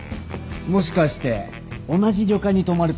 もしかして同じ旅館に泊まるつもりじゃ。